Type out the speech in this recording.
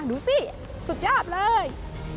ดูสิสุดยอดเลย